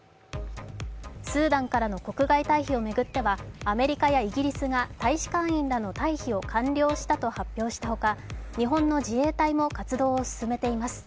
スーダンからの国大対比を巡ってはアメリカやイギリスが大使館員らの待避が完了したと発表したほか、日本の自衛隊も活動を進めています。